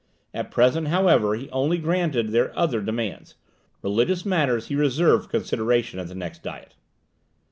At present, however, he only granted their other demands religious matters he reserved for consideration at the next Diet.